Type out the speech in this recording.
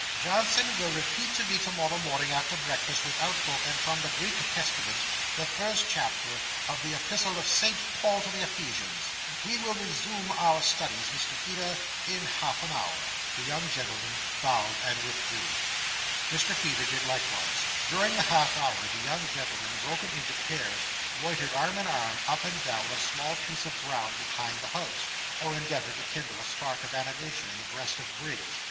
"Johnson will repeat to me tomorrow morning before breakfast, without book, and from the Greek Testament, the first chapter of the Epistle of Saint Paul to the Ephesians. We will resume our studies, Mr Feeder, in half an hour." The young gentlemen bowed and withdrew. Mr Feeder did likewise. During the half hour, the young gentlemen, broken into pairs, loitered arm in arm up and down a small piece of ground behind the house, or endeavoured to kindle a spark of animation in the breast of Briggs.